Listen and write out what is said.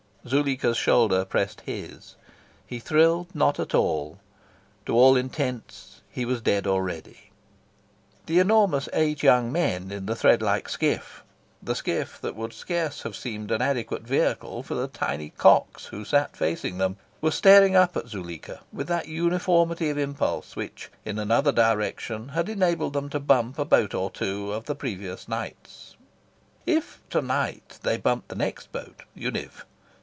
Zuleika's shoulder pressed his. He thrilled not at all. To all intents, he was dead already. The enormous eight young men in the thread like skiff the skiff that would scarce have seemed an adequate vehicle for the tiny "cox" who sat facing them were staring up at Zuleika with that uniformity of impulse which, in another direction, had enabled them to bump a boat on two of the previous "nights." If to night they bumped the next boat, Univ.